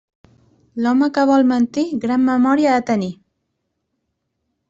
L'home que vol mentir, gran memòria ha de tenir.